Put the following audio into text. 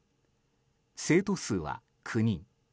生徒数は９人。